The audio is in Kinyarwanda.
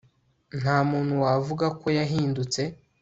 Nta muntu wavuga ko yahindutse